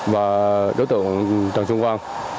và đối tượng trần xuân quang